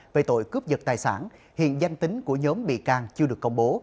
về tội cướp giật tài sản hiện danh tính của nhóm bị can chưa được công bố